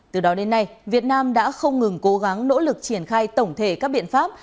từ đó đến nay việt nam đã không ngừng cố gắng nỗ lực triển khai tổng thể các biện pháp